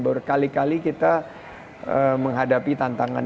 berkali kali kita menghadapi tantangan